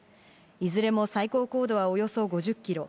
いずれも最高高度はおよそ５０キロ。